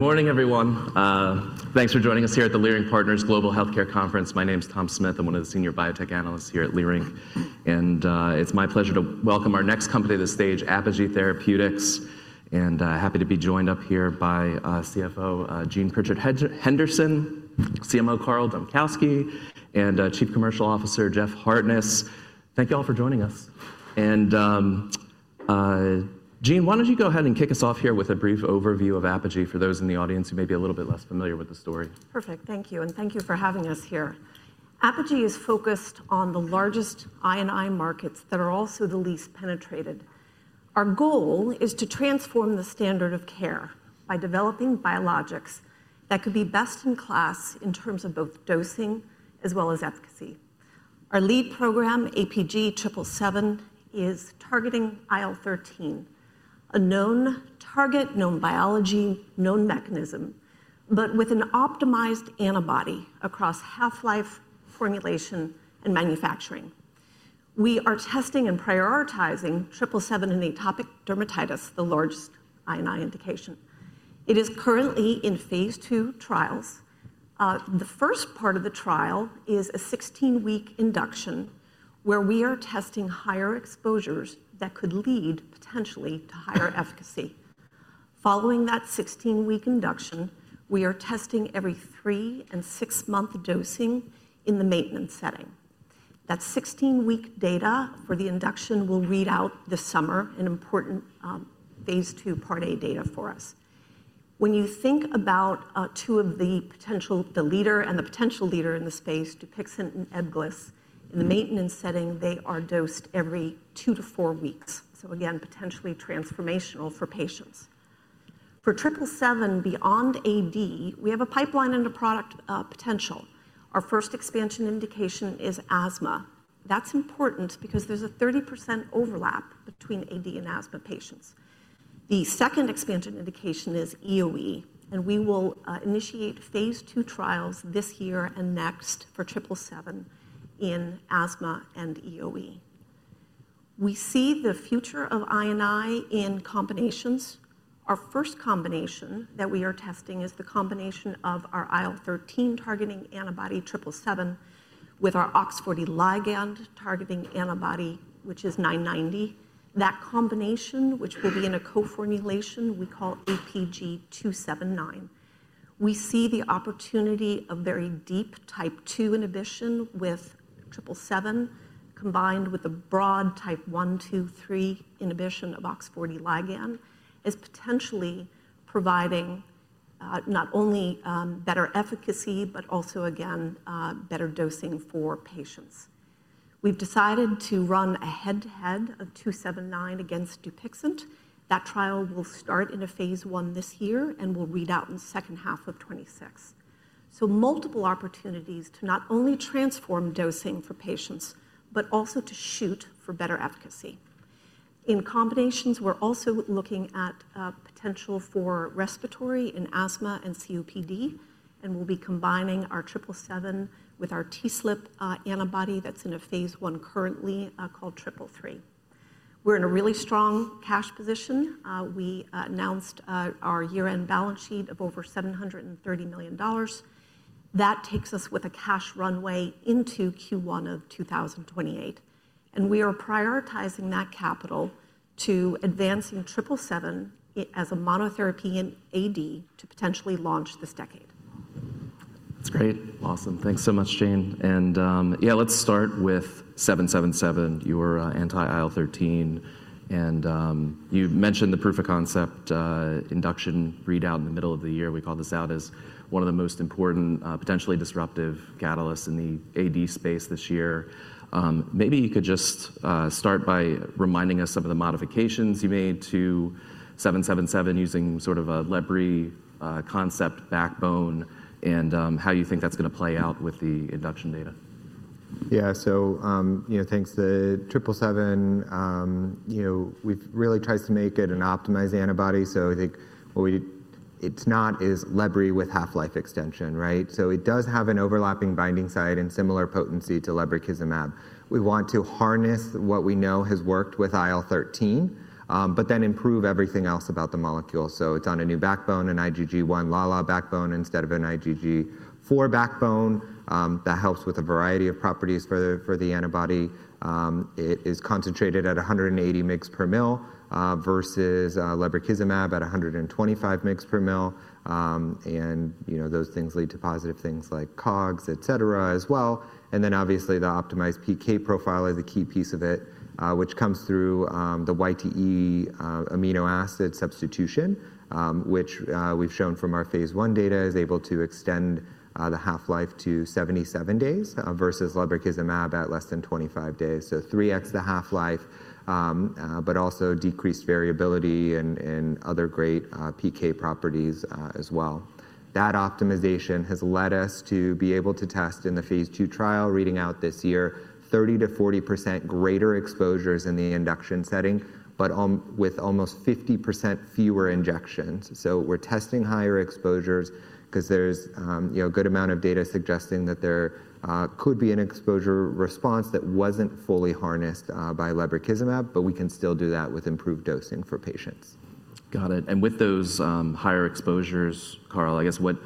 Good morning, everyone. Thanks for joining us here at the Leerink Partners Global Healthcare Conference. My name is Tom Smith. I'm one of the senior biotech analysts here at Leerink. It's my pleasure to welcome our next company to the stage, Apogee Therapeutics. Happy to be joined up here by CFO, Jane Pritchett Henderson, CMO, Carl Dambkowski, and Chief Commercial Officer, Jeff Hartness. Thank you all for joining us. Jane, why don't you go ahead and kick us off here with a brief overview of Apogee for those in the audience who may be a little bit less familiar with the story. Perfect. Thank you. Thank you for having us here. Apogee is focused on the largest I&I markets that are also the least penetrated. Our goal is to transform the standard of care by developing biologics that could be best in class in terms of both dosing as well as efficacy. Our lead program, APG777, is targeting IL-13, a known target, known biology, known mechanism, but with an optimized antibody across half-life, formulation, and manufacturing. We are testing and prioritizing triple seven in atopic dermatitis, the largest I&I indication. It is currently in phase two trials. The first part of the trial is a 16-week induction where we are testing higher exposures that could lead potentially to higher efficacy. Following that 16-week induction, we are testing every three and six-month dosing in the maintenance setting. That 16-week data for the induction will read out this summer in important phase two part A data for us. When you think about two of the potential leader and the potential leader in the space, Dupixent and Ebglyss in the maintenance setting, they are dosed every two to four weeks. Potentially transformational for patients. For triple seven, beyond AD, we have a pipeline and a product potential. Our first expansion indication is asthma. That's important because there's a 30% overlap between AD and asthma patients. The second expansion indication is EOE, and we will initiate phase two trials this year and next for triple seven in asthma and EOE. We see the future of I&I in combinations. Our first combination that we are testing is the combination of our IL-13 targeting antibody triple seven with our OX40 ligand targeting antibody, which is 990. That combination, which will be in a co-formulation, we call APG279. We see the opportunity of very deep type two inhibition with triple seven combined with a broad type one, two, three inhibition of OX40 ligand is potentially providing not only better efficacy, but also, again, better dosing for patients. We've decided to run a head-to-head of 279 against Dupixent. That trial will start in a phase one this year and will read out in the second half of 2026. Multiple opportunities to not only transform dosing for patients, but also to shoot for better efficacy. In combinations, we're also looking at potential for respiratory in asthma and COPD, and we'll be combining our triple seven with our TSLP antibody that's in a phase one currently called triple three. We're in a really strong cash position. We announced our year-end balance sheet of over $730 million. That takes us with a cash runway into Q1 of 2028. We are prioritizing that capital to advancing triple seven as a monotherapy in AD to potentially launch this decade. That's great. Awesome. Thanks so much, Jane. Yeah, let's start with 777, your anti-IL-13. You mentioned the proof of concept induction readout in the middle of the year. We call this out as one of the most important potentially disruptive catalysts in the AD space this year. Maybe you could just start by reminding us some of the modifications you made to 777 using sort of a Libri concept backbone and how you think that's going to play out with the induction data. Yeah, so thanks to triple seven, we've really tried to make it an optimized antibody. I think what we it's not is Libri with half-life extension, right? It does have an overlapping binding site and similar potency to lebrikizumab. We want to harness what we know has worked with IL-13, but then improve everything else about the molecule. It's on a new backbone, an IgG1 LALA backbone instead of an IgG4 backbone. That helps with a variety of properties for the antibody. It is concentrated at 180 mg/mL versus lebrikizumab at 125 mg/mL. Those things lead to positive things like COGS, et cetera, as well. Obviously the optimized PK profile is a key piece of it, which comes through the YTE amino acid substitution, which we've shown from our phase one data is able to extend the half-life to 77 days versus lebrikizumab at less than 25 days. Three times the half-life, but also decreased variability and other great PK properties as well. That optimization has led us to be able to test in the phase two trial reading out this year, 30%-40% greater exposures in the induction setting, but with almost 50% fewer injections. We're testing higher exposures because there's a good amount of data suggesting that there could be an exposure response that was not fully harnessed by lebrikizumab, but we can still do that with improved dosing for patients. Got it. With those higher exposures, Carl, I guess what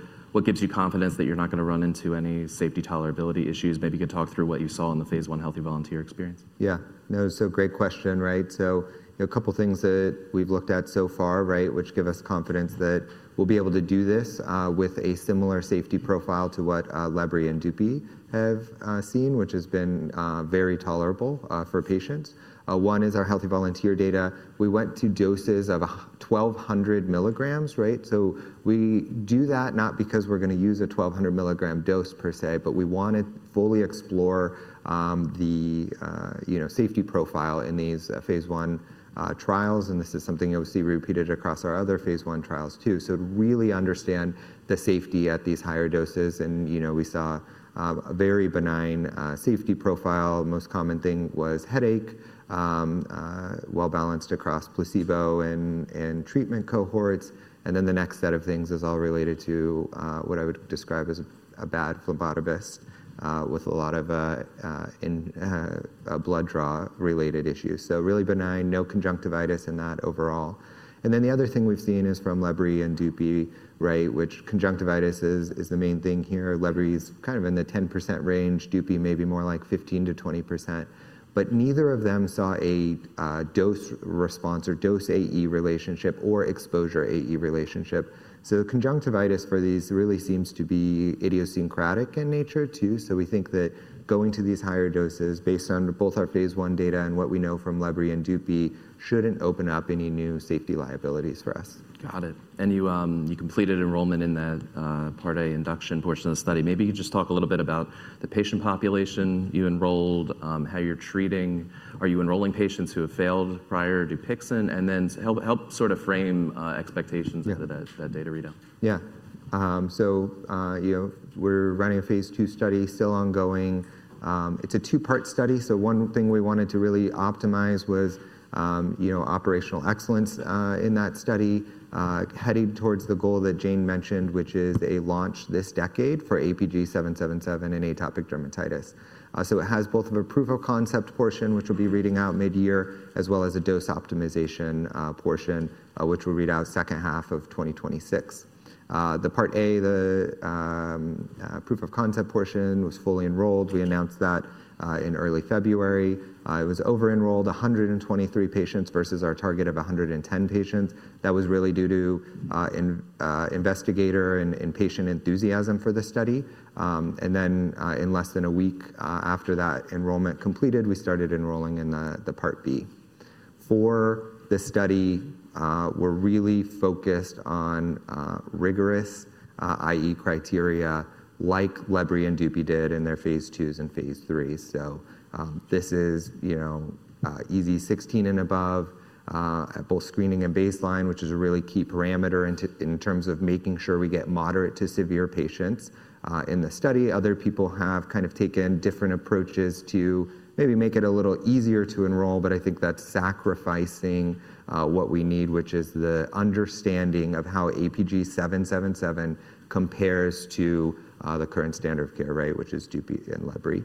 gives you confidence that you're not going to run into any safety tolerability issues? Maybe you could talk through what you saw in the phase I healthy volunteer experience. Yeah. No, so great question, right? So a couple of things that we've looked at so far, right, which give us confidence that we'll be able to do this with a similar safety profile to what Libri and DUPI have seen, which has been very tolerable for patients. One is our healthy volunteer data. We went to doses of 1200 milligrams, right? So we do that not because we're going to use a 1200 milligram dose per se, but we want to fully explore the safety profile in these phase one trials. This is something obviously repeated across our other phase one trials too. To really understand the safety at these higher doses. We saw a very benign safety profile. Most common thing was headache, well-balanced across placebo and treatment cohorts. The next set of things is all related to what I would describe as a bad phlebotomist with a lot of blood draw related issues. Really benign, no conjunctivitis in that overall. The other thing we've seen is from Libri and DUPI, right, which conjunctivitis is the main thing here. Libri is kind of in the 10% range. DUPI may be more like 15%-20%. Neither of them saw a dose response or dose AE relationship or exposure AE relationship. Conjunctivitis for these really seems to be idiosyncratic in nature too. We think that going to these higher doses based on both our phase one data and what we know from Libri and DUPI shouldn't open up any new safety liabilities for us. Got it. You completed enrollment in that part A induction portion of the study. Maybe you could just talk a little bit about the patient population you enrolled, how you're treating, are you enrolling patients who have failed prior to Dupixent, and then help sort of frame expectations for that data readout. Yeah. We're running a phase two study still ongoing. It's a two-part study. One thing we wanted to really optimize was operational excellence in that study heading towards the goal that Jane mentioned, which is a launch this decade for APG777 in atopic dermatitis. It has both a proof of concept portion, which we'll be reading out mid-year, as well as a dose optimization portion, which we'll read out second half of 2026. The part A, the proof of concept portion, was fully enrolled. We announced that in early February. It was over-enrolled, 123 patients versus our target of 110 patients. That was really due to investigator and patient enthusiasm for the study. In less than a week after that enrollment completed, we started enrolling in the part B. For this study, we're really focused on rigorous IE criteria like Libri and DUPI did in their phase twos and phase threes. This is EASI 16 and above at both screening and baseline, which is a really key parameter in terms of making sure we get moderate to severe patients in the study. Other people have kind of taken different approaches to maybe make it a little easier to enroll, but I think that's sacrificing what we need, which is the understanding of how APG777 compares to the current standard of care, right, which is DUPI and Libri.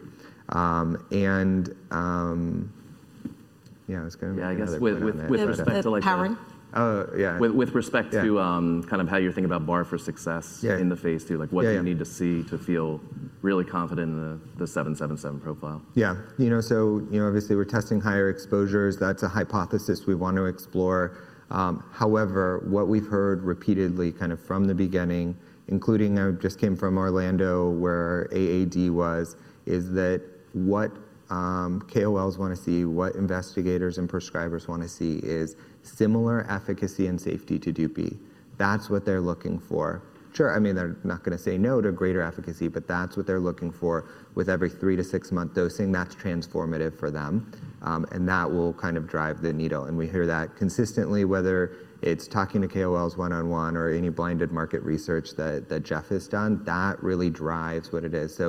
Yeah, I was going to. Yeah, I guess with respect to. With Parin. Yeah. With respect to kind of how you're thinking about bar for success in the phase two, like what do you need to see to feel really confident in the 777 profile? Yeah. You know, so obviously we're testing higher exposures. That's a hypothesis we want to explore. However, what we've heard repeatedly kind of from the beginning, including I just came from Orlando where AAD was, is that what KOLs want to see, what investigators and prescribers want to see is similar efficacy and safety to DUPI. That's what they're looking for. Sure, I mean, they're not going to say no to greater efficacy, but that's what they're looking for with every three- to six-month dosing. That's transformative for them. That will kind of drive the needle. We hear that consistently, whether it's talking to KOLs one-on-one or any blinded market research that Jeff has done, that really drives what it is.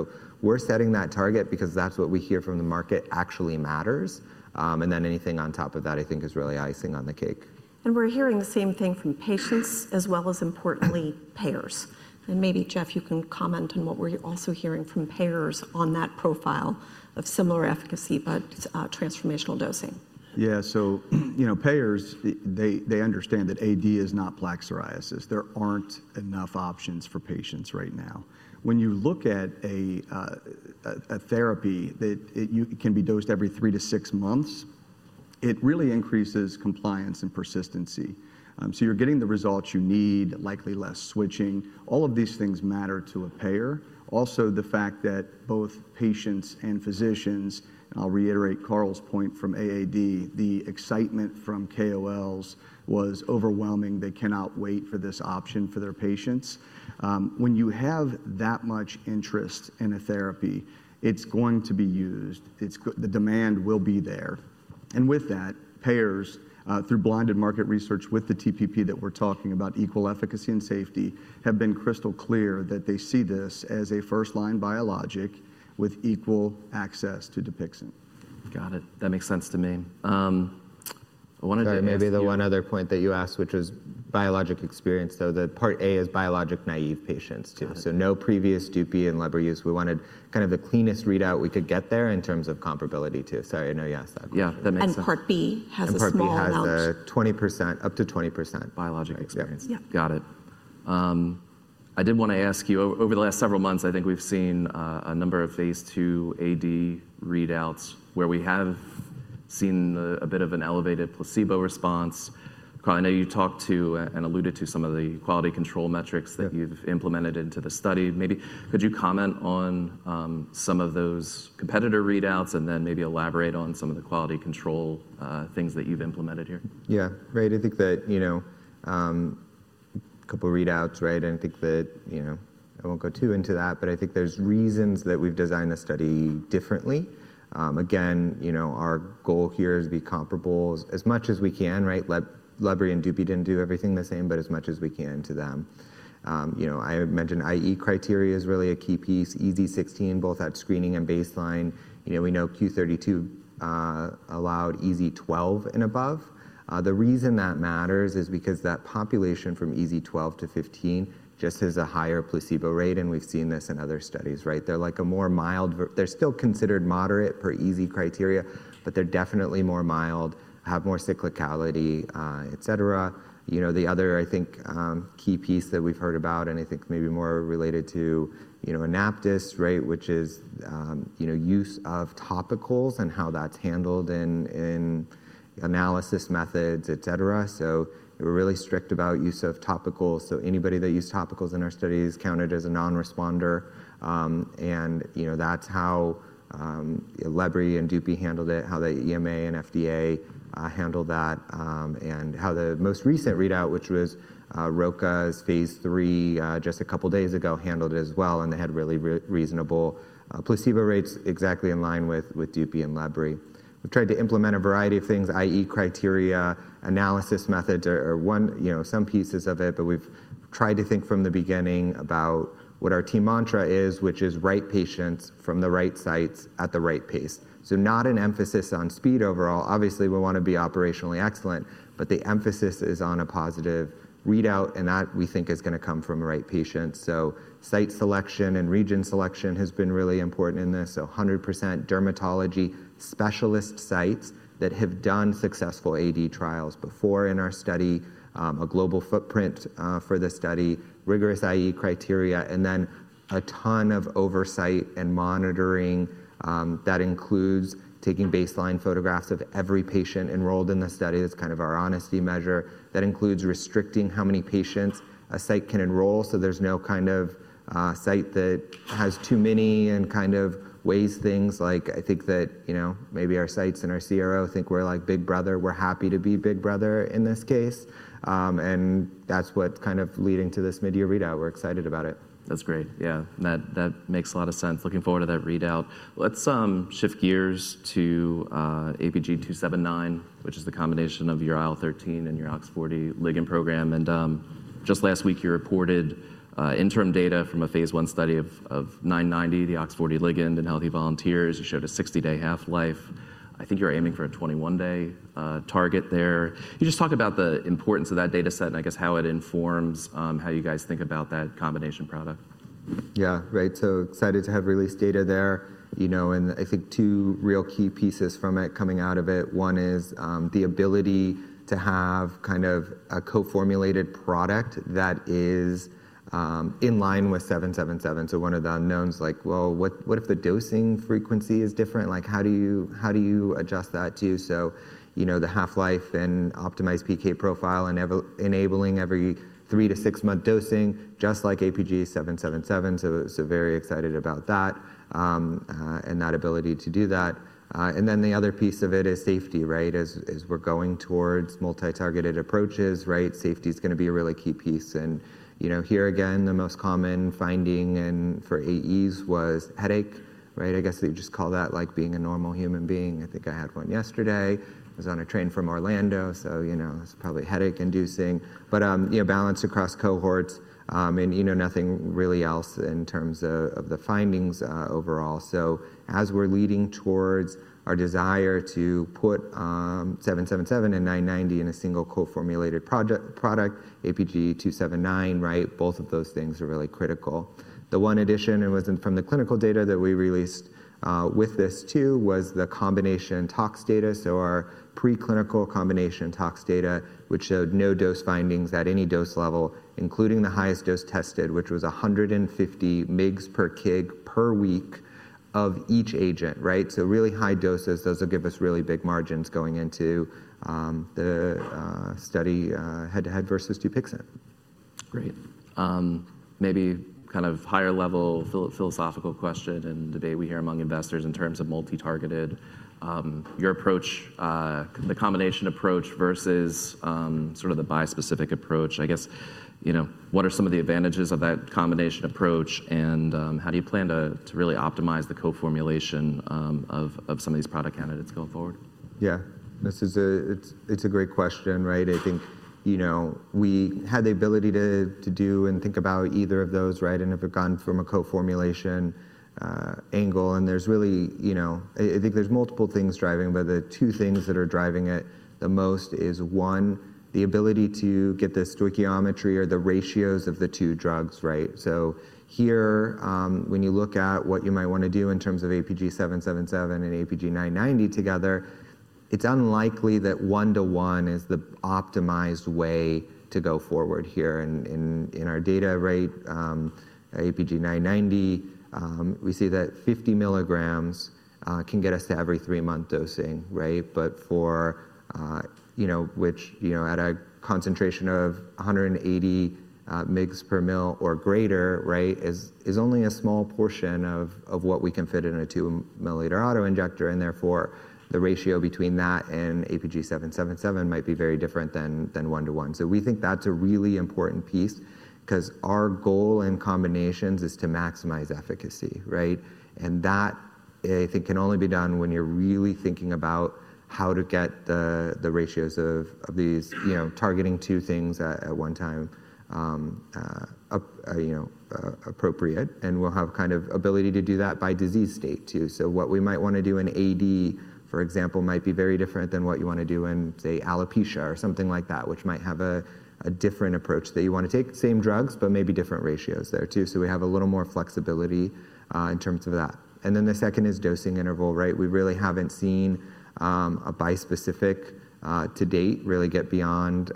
We're setting that target because that's what we hear from the market actually matters. Anything on top of that, I think, is really icing on the cake. We're hearing the same thing from patients as well as importantly payers. Maybe Jeff, you can comment on what we're also hearing from payers on that profile of similar efficacy, but transformational dosing. Yeah. Payers, they understand that AD is not plaque psoriasis. There are not enough options for patients right now. When you look at a therapy that can be dosed every three to six months, it really increases compliance and persistency. You are getting the results you need, likely less switching. All of these things matter to a payer. Also, the fact that both patients and physicians, and I will reiterate Carl's point from AAD, the excitement from KOLs was overwhelming. They cannot wait for this option for their patients. When you have that much interest in a therapy, it is going to be used. The demand will be there. With that, payers, through blinded market research with the TPP that we are talking about, equal efficacy and safety have been crystal clear that they see this as a first-line biologic with equal access to Dupixent. Got it. That makes sense to me. I wanted to. Maybe the one other point that you asked, which was biologic experience, though the part A is biologic naive patients too. So no previous DUPI and Libri use. We wanted kind of the cleanest readout we could get there in terms of comparability too. Sorry, I know you asked that question. Yeah, that makes sense. Part B has a small biologic. Part B has a 20%, up to 20% biologic experience. Yeah. Got it. I did want to ask you, over the last several months, I think we've seen a number of phase two AD readouts where we have seen a bit of an elevated placebo response. Carl, I know you talked to and alluded to some of the quality control metrics that you've implemented into the study. Maybe could you comment on some of those competitor readouts and then maybe elaborate on some of the quality control things that you've implemented here? Yeah, right. I think that a couple of readouts, right? I think that I won't go too into that, but I think there's reasons that we've designed the study differently. Again, our goal here is to be comparable as much as we can, right? Libri and DUPI didn't do everything the same, but as much as we can to them. I mentioned IGA criteria is really a key piece, EASI 16 both at screening and baseline. We know Q32 allowed EASI 12 and above. The reason that matters is because that population from EASI 12 to 15 just has a higher placebo rate. We've seen this in other studies, right? They're like a more mild, they're still considered moderate per EASI criteria, but they're definitely more mild, have more cyclicality, et cetera. The other, I think, key piece that we've heard about, and I think maybe more related to Anaptys, right, which is use of topicals and how that's handled in analysis methods, et cetera. We are really strict about use of topicals. Anybody that used topicals in our studies counted as a non-responder. That is how Libri and DUPI handled it, how the EMA and FDA handled that, and how the most recent readout, which was ROCKET's phase three just a couple of days ago, handled it as well. They had really reasonable placebo rates exactly in line with DUPI and Libri. We've tried to implement a variety of things, IE criteria, analysis methods, or some pieces of it, but we've tried to think from the beginning about what our team mantra is, which is right patients from the right sites at the right pace. Not an emphasis on speed overall. Obviously, we want to be operationally excellent, but the emphasis is on a positive readout. That we think is going to come from the right patients. Site selection and region selection has been really important in this. 100% dermatology specialist sites that have done successful AD trials before in our study, a global footprint for the study, rigorous IE criteria, and then a ton of oversight and monitoring that includes taking baseline photographs of every patient enrolled in the study. That is kind of our honesty measure. That includes restricting how many patients a site can enroll. There is no kind of site that has too many and kind of weighs things. I think that maybe our sites and our CRO think we are like big brother. We are happy to be big brother in this case. That's what's kind of leading to this mid-year readout. We're excited about it. That's great. Yeah. That makes a lot of sense. Looking forward to that readout. Let's shift gears to APG279, which is the combination of your IL-13 and your OX40 ligand program. Just last week, you reported interim data from a phase one study of 990, the OX40 ligand, in healthy volunteers. You showed a 60-day half-life. I think you're aiming for a 21-day target there. Can you just talk about the importance of that data set and I guess how it informs how you guys think about that combination product. Yeah, right. Excited to have released data there. I think two real key pieces from it coming out of it. One is the ability to have kind of a co-formulated product that is in line with 777. One of the unknowns, like, well, what if the dosing frequency is different? Like, how do you adjust that too? The half-life and optimized PK profile and enabling every three to six-month dosing, just like APG777. Very excited about that and that ability to do that. The other piece of it is safety, right? As we're going towards multi-targeted approaches, right? Safety is going to be a really key piece. Here again, the most common finding for AEs was headache, right? I guess they just call that like being a normal human being. I think I had one yesterday. I was on a train from Orlando. It's probably headache-inducing, but balance across cohorts and nothing really else in terms of the findings overall. As we're leading towards our desire to put 777 and 990 in a single co-formulated product, APG279, right? Both of those things are really critical. The one addition, it wasn't from the clinical data that we released with this too, was the combination tox data. Our preclinical combination tox data showed no dose findings at any dose level, including the highest dose tested, which was 150 mg per kg per week of each agent, right? Really high doses. Those will give us really big margins going into the study head-to-head versus Dupixent. Great. Maybe kind of higher level philosophical question and debate we hear among investors in terms of multi-targeted, your approach, the combination approach versus sort of the bi-specific approach. I guess what are some of the advantages of that combination approach and how do you plan to really optimize the co-formulation of some of these product candidates going forward? Yeah. This is a great question, right? I think we had the ability to do and think about either of those, right? I have gone from a co-formulation angle. There is really, I think there are multiple things driving, but the two things that are driving it the most is one, the ability to get this stoichiometry or the ratios of the two drugs, right? Here, when you look at what you might want to do in terms of APG777 and APG990 together, it is unlikely that one-to-one is the optimized way to go forward here in our data, right? APG990, we see that 50 mg can get us to every three-month dosing, right? For which at a concentration of 180 mg per ml or greater, is only a small portion of what we can fit in a 2 ml auto injector. Therefore, the ratio between that and APG777 might be very different than one-to-one. We think that's a really important piece because our goal in combinations is to maximize efficacy, right? That, I think, can only be done when you're really thinking about how to get the ratios of these targeting two things at one time appropriate. We'll have kind of ability to do that by disease state too. What we might want to do in AD, for example, might be very different than what you want to do in, say, alopecia or something like that, which might have a different approach that you want to take the same drugs, but maybe different ratios there too. We have a little more flexibility in terms of that. The second is dosing interval, right? We really haven't seen a bi-specific to date really get beyond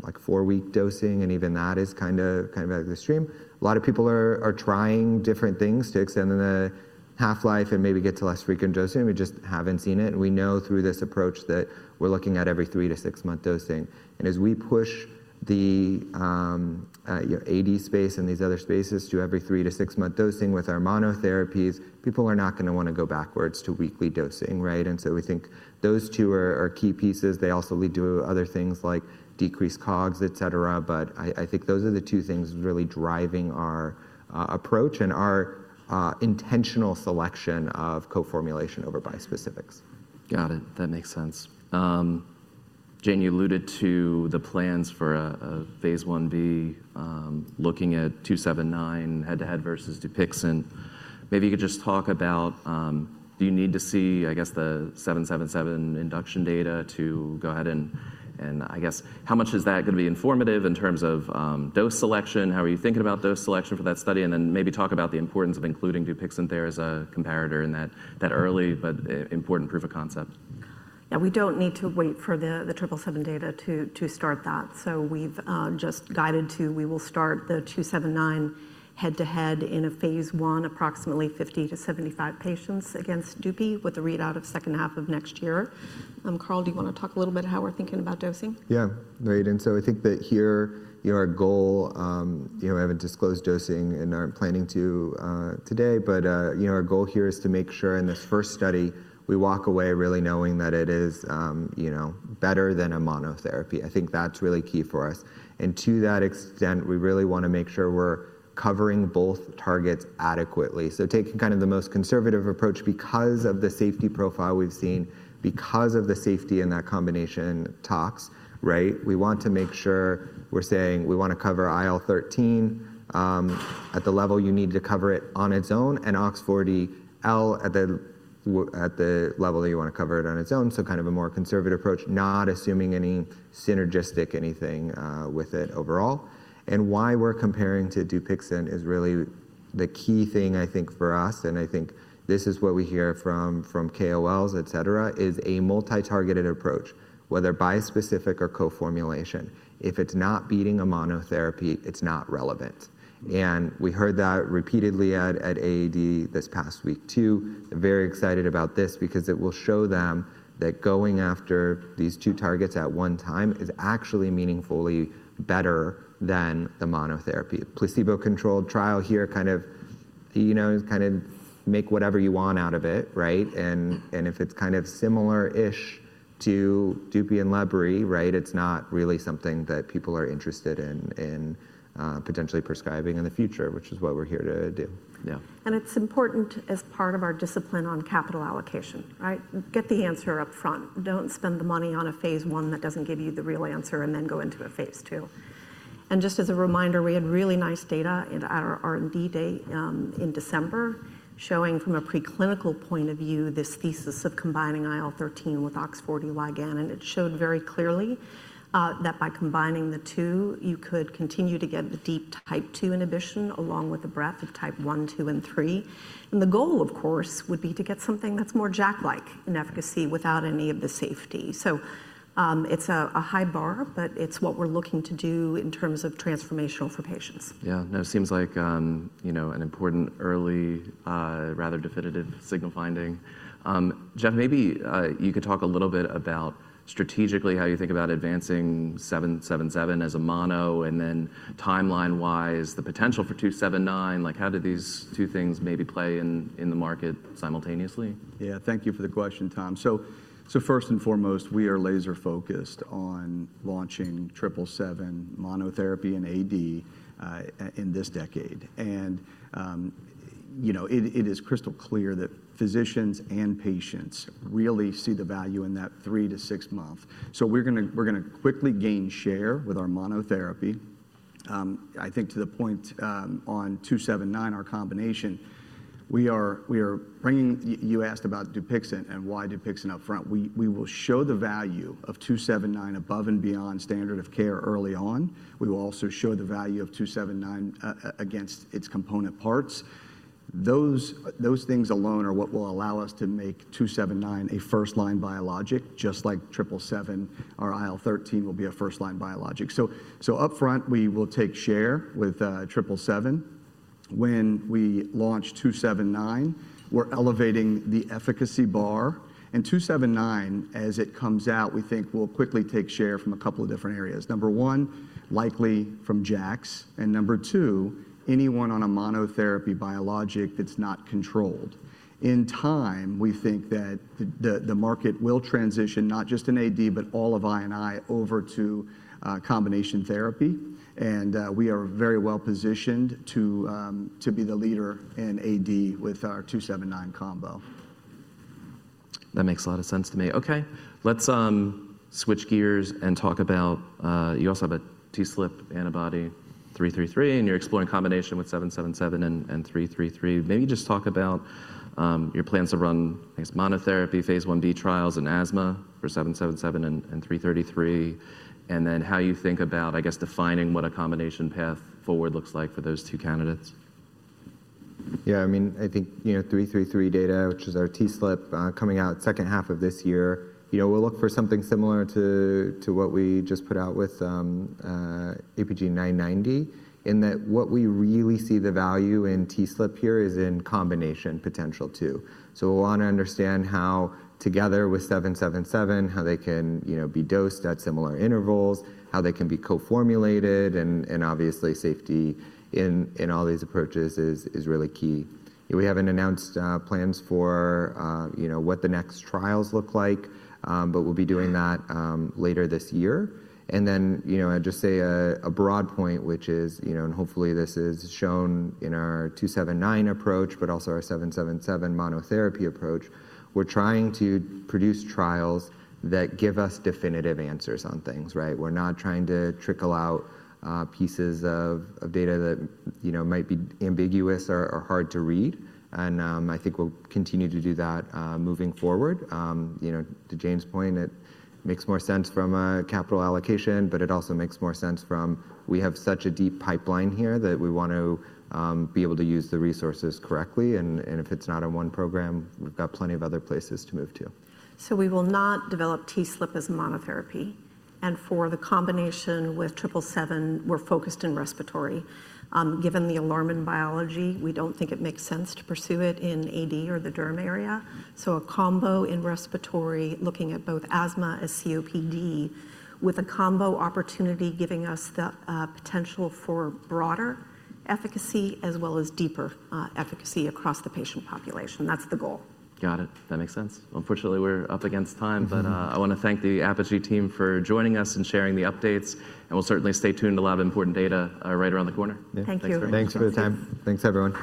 like four-week dosing. Even that is kind of at the extreme. A lot of people are trying different things to extend the half-life and maybe get to less frequent dosing. We just haven't seen it. We know through this approach that we're looking at every three to six-month dosing. As we push the AD space and these other spaces to every three to six-month dosing with our monotherapies, people are not going to want to go backwards to weekly dosing, right? We think those two are key pieces. They also lead to other things like decreased COGS, et cetera. I think those are the two things really driving our approach and our intentional selection of co-formulation over bi-specifics. Got it. That makes sense. Jane, you alluded to the plans for a phase one B, looking at 279 head-to-head versus Dupixent. Maybe you could just talk about, do you need to see, I guess, the 777 induction data to go ahead and, I guess, how much is that going to be informative in terms of dose selection? How are you thinking about dose selection for that study? Maybe talk about the importance of including Dupixent there as a comparator in that early, but important proof of concept. Yeah, we don't need to wait for the 777 data to start that. We've just guided to we will start the 279 head-to-head in a phase one, approximately 50-75 patients against DUPI with a readout of second half of next year. Carl, do you want to talk a little bit how we're thinking about dosing? Yeah, right. I think that here, our goal, we haven't disclosed dosing and aren't planning to today, but our goal here is to make sure in this first study, we walk away really knowing that it is better than a monotherapy. I think that's really key for us. To that extent, we really want to make sure we're covering both targets adequately. Taking kind of the most conservative approach because of the safety profile we've seen, because of the safety in that combination tox, right? We want to make sure we're saying we want to cover IL-13 at the level you need to cover it on its own and OX40 ligand at the level that you want to cover it on its own. Kind of a more conservative approach, not assuming any synergistic anything with it overall. Why we're comparing to Dupixent is really the key thing, I think, for us. I think this is what we hear from KOLs, et cetera, is a multi-targeted approach, whether bi-specific or co-formulation. If it's not beating a monotherapy, it's not relevant. We heard that repeatedly at AD this past week too. They're very excited about this because it will show them that going after these two targets at one time is actually meaningfully better than the monotherapy. Placebo-controlled trial here, kind of make whatever you want out of it, right? If it's kind of similar-ish to DUPI and Libri, right? It's not really something that people are interested in potentially prescribing in the future, which is what we're here to do. Yeah. It is important as part of our discipline on capital allocation, right? Get the answer upfront. Do not spend the money on a phase one that does not give you the real answer and then go into a phase two. Just as a reminder, we had really nice data at our R&D day in December showing from a preclinical point of view this thesis of combining IL-13 with OX40 ligand. It showed very clearly that by combining the two, you could continue to get the deep type two inhibition along with the breadth of type one, two, and three. The goal, of course, would be to get something that is more JAK-like in efficacy without any of the safety. It is a high bar, but it is what we are looking to do in terms of transformational for patients. Yeah. No, it seems like an important early, rather definitive signal finding. Jeff, maybe you could talk a little bit about strategically how you think about advancing 777 as a mono and then timeline-wise the potential for 279. Like how do these two things maybe play in the market simultaneously? Yeah, thank you for the question, Tom. First and foremost, we are laser-focused on launching 777 monotherapy in AD in this decade. It is crystal clear that physicians and patients really see the value in that three to six-month. We are going to quickly gain share with our monotherapy. I think to the point on 279, our combination, you asked about Dupixent and why Dupixent upfront. We will show the value of 279 above and beyond standard of care early on. We will also show the value of 279 against its component parts. Those things alone are what will allow us to make 279 a first-line biologic, just like triple seven or IL-13 will be a first-line biologic. Upfront, we will take share with triple seven. When we launch 279, we are elevating the efficacy bar. 279, as it comes out, we think will quickly take share from a couple of different areas. Number one, likely from JAKs. Number two, anyone on a monotherapy biologic that's not controlled. In time, we think that the market will transition not just in AD, but all of I&I over to combination therapy. We are very well positioned to be the leader in AD with our 279 combo. That makes a lot of sense to me. Okay. Let's switch gears and talk about you also have a TSLP antibody 333, and you're exploring combination with 777 and 333. Maybe just talk about your plans to run, I guess, monotherapy phase one B trials in asthma for 777 and 333, and then how you think about, I guess, defining what a combination path forward looks like for those two candidates. Yeah, I mean, I think 333 data, which is our TSLP coming out second half of this year, we'll look for something similar to what we just put out with APG990 in that what we really see the value in TSLP here is in combination potential too. We want to understand how together with 777, how they can be dosed at similar intervals, how they can be co-formulated. Obviously, safety in all these approaches is really key. We haven't announced plans for what the next trials look like, but we'll be doing that later this year. I'll just say a broad point, which is, and hopefully this is shown in our 279 approach, but also our 777 monotherapy approach. We're trying to produce trials that give us definitive answers on things, right? We're not trying to trickle out pieces of data that might be ambiguous or hard to read. I think we'll continue to do that moving forward. To Jane's point, it makes more sense from a capital allocation, but it also makes more sense from we have such a deep pipeline here that we want to be able to use the resources correctly. If it's not a one program, we've got plenty of other places to move to. We will not develop TSLP as a monotherapy. For the combination with triple seven, we're focused in respiratory. Given the alarm in biology, we don't think it makes sense to pursue it in AD or the derm area. A combo in respiratory, looking at both asthma and COPD, with a combo opportunity gives us the potential for broader efficacy as well as deeper efficacy across the patient population. That's the goal. Got it. That makes sense. Unfortunately, we're up against time, but I want to thank the Apogee team for joining us and sharing the updates. We'll certainly stay tuned to a lot of important data right around the corner. Thank you. Thanks for the time. Thanks, everyone.